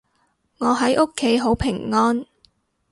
我喺屋企好平安